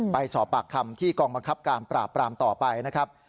ไปสอบปากคำที่กองบังคับการปราบปรามต่อไปนะครับ